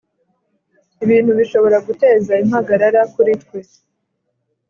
ibintu bishobora guteza impagarara kuri twe